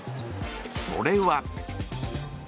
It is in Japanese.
それは。